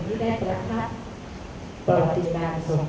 สวัสดีครับสวัสดีครับ